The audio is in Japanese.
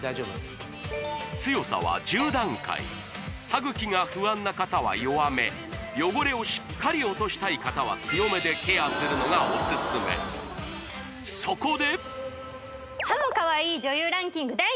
歯ぐきが不安な方は弱め汚れをしっかり落としたい方は強めでケアするのがオススメそこで！